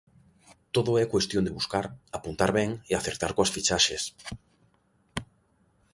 Todo é cuestión de buscar, apuntar ben e acertar coas fichaxes.